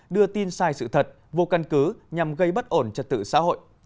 đưa tin sai sự thật vô căn cứ nhằm gây bất ổn trật tự xã hội